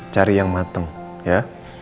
cari yang mateng ya